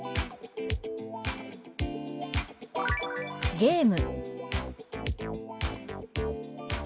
「ゲーム」。